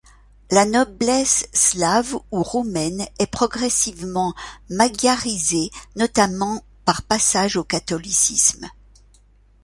La noblesse slave ou roumaine est progressivement magyarisée, notamment par passage au catholicisme.